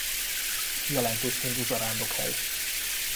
Jelentős hindu zarándokhely.